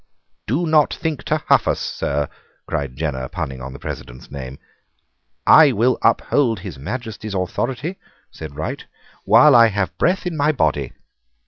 "Do not think to huff us, sir," cried Jenner, punning on the President's name. "I will uphold His Majesty's authority," said Wright, "while I have breath in my body.